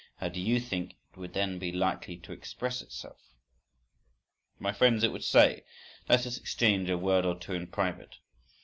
How do you think it would then be likely to express itself?— My friends, it would say, let us exchange a word or two in private.